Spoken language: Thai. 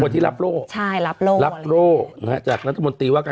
ที่กับสถานการณ์นี่แหละ